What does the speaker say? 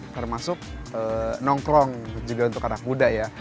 termasuk nongkrong juga untuk anak muda ya